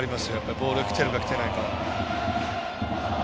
ボールがきてるかきてないか。